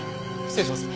失礼します。